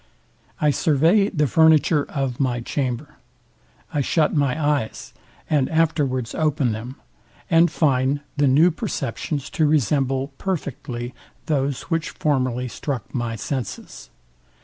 I survey the furniture of my chamber; I shut my eyes, and afterwards open them; and find the new perceptions to resemble perfectly those, which formerly struck my senses.